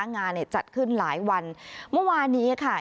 งานเนี่ยจัดขึ้นหลายวันเมื่อวานนี้ค่ะ